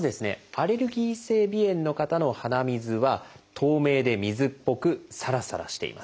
アレルギー性鼻炎の方の鼻水は透明で水っぽくサラサラしています。